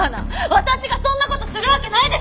私がそんな事するわけないでしょ！